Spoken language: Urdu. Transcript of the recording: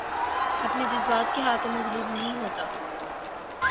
اپنے جذبات کے ہاتھوں مغلوب نہیں ہوتا